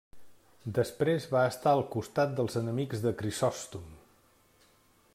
Després va estar al costat dels enemics de Crisòstom.